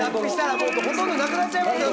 もうほとんどなくなっちゃいますよ